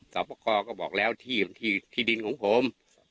สอบประกอบก็บอกแล้วที่ดินของผม